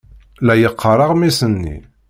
La yeqqar aɣmis-nni.